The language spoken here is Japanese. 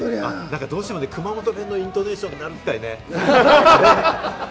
どうしても、熊本弁のイントネーションになるたいね。